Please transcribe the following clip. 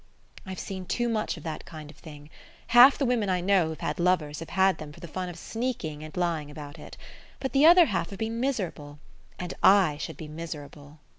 "I've seen too much of that kind of thing. Half the women I know who've had lovers have had them for the fun of sneaking and lying about it; but the other half have been miserable. And I should be miserable."